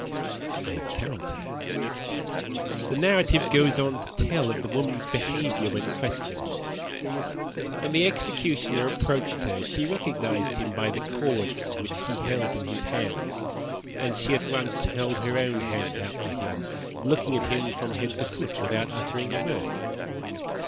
"I am coming to that. The narrative goes on to tell of the woman's behaviour when questioned. 'When the executioner approached her she recognized him by the cords which he held in his hands, and she at once held out her own hands to him, looking at him from head to foot without uttering a word.'